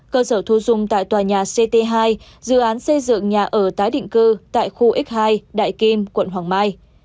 cơ sở thu dung tại tòa nhà ct hai dự án xây dựng nhà ở tái định cư tại khu x hai đại kim quận hoàng mai